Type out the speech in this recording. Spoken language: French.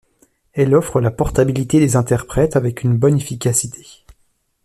Elle offre la portabilité des interprètes avec une bonne efficacité.